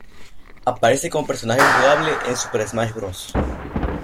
Aparece como personaje jugable en Super Smash Bros.